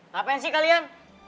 ngapain sih kalian